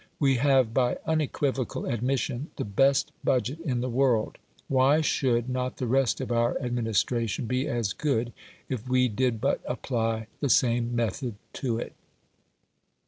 We have, by unequivocal admission, the best budget in the world. Why should not the rest of our administration be as good if we did but apply the same method to it?